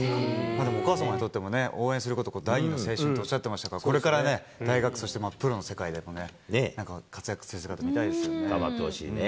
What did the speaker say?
でもお母様にとってもね、応援することが第二の青春っておっしゃってましたけど、これから大学、そしてプロの世界でもね、なんか活躍する姿、見たいですよ頑張ってほしいね。